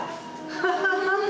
ハハハハ。